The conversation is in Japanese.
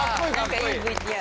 何かいいＶＴＲ。